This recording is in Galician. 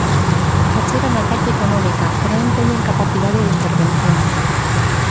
Achegan a parte económica pero non teñen capacidade de intervención.